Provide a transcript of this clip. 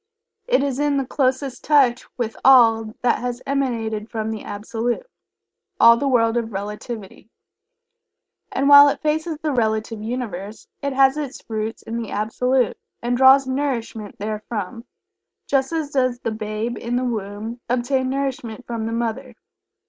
It is in the closest touch with all that has emanated from the Absolute all the world of Relativity. And while it faces the Relative Universe, it has its roots in the Absolute, and draws nourishment therefrom, just as does the babe in the womb obtain nourishment from the mother.